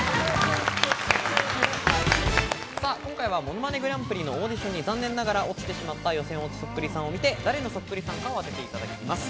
今回は『ものまねグランプリ』のオーディションに残念ながら落ちてしまった予選落ちそっくりさんを見て、誰のそっくりさんかを当てていただきます。